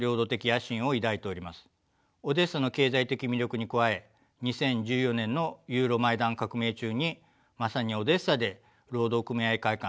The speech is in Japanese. オデーサの経済的魅力に加え２０１４年のユーロマイダン革命中にまさにオデーサで労働組合会館放火事件が起こりました。